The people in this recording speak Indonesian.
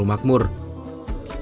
di pondok pesantren basta nulang